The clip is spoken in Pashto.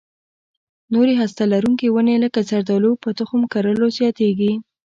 نورې هسته لرونکې ونې لکه زردالو په تخم کرلو زیاتېږي.